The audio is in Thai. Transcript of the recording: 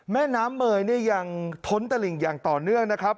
แม่น้ำเมยเนี่ยยังท้นตะหลิ่งอย่างต่อเนื่องนะครับ